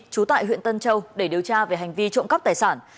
trú tại huyện tân châu để điều tra về hành vi trộm cắp tài sản